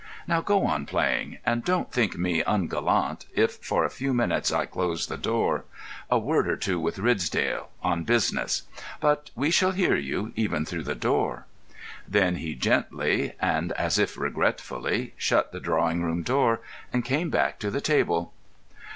Now go on playing—and don't think me ungallant if for a few minutes I close the door. A word or two with Ridsdale—on business. But we shall hear you, even through the door." Then he gently, and as if regretfully, shut the drawing room door and came back to the table.